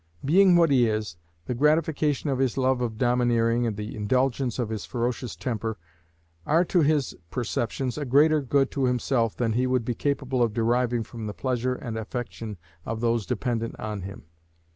Being what he is, the gratification of his love of domineering and the indulgence of his ferocious temper are to his perceptions a greater good to himself than he would be capable of deriving from the pleasure and affection of those dependent on him.